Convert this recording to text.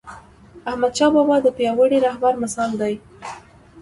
احمدشاه بابا د پیاوړي رهبر مثال دی..